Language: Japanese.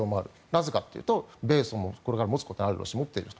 なぜかというと米ソもこれから持つことがあるし持っている。